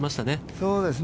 そうですね。